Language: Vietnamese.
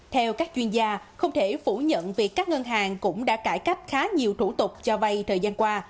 theo các chuyên gia không thể phủ nhận việc các ngân hàng cũng đã cải cách khá nhiều thủ tục cho vay thời gian qua